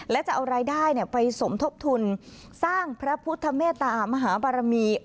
และจะเอารายได้ไปสมทบทุนสร้างพระพุทธเมตามหาบารมี